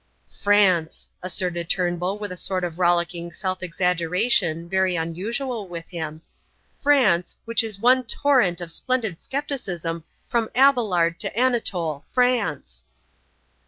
"France!" asserted Turnbull with a sort of rollicking self exaggeration, very unusual with him, "France, which is one torrent of splendid scepticism from Abelard to Anatole France."